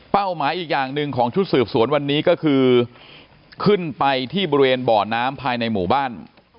หมายอีกอย่างหนึ่งของชุดสืบสวนวันนี้ก็คือขึ้นไปที่บริเวณบ่อน้ำภายในหมู่บ้าน